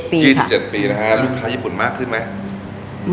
๒๗ปีนะคะลูกค้าญี่ปุ่นมากขึ้นไหม